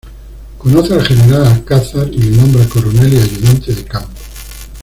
Conoce al General Alcázar y le nombra coronel y ayudante de campo.